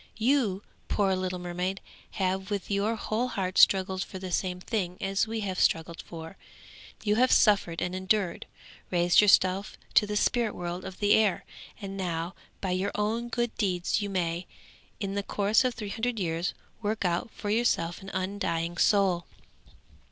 You, poor little mermaid, have with your whole heart struggled for the same thing as we have struggled for. You have suffered and endured, raised yourself to the spirit world of the air, and now, by your own good deeds you may, in the course of three hundred years, work out for yourself an undying soul.'